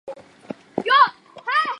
鸡冠子花是列当科马先蒿属的植物。